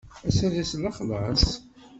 Ass-a d ass n lexlaṣ?